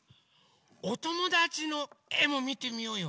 おともだちのえもみてみようよ。